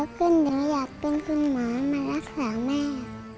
เพื่อนหนูอยากเป็นคุณหมอมารักษาแม่